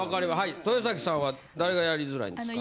豊崎さんは誰がやりづらいんですか？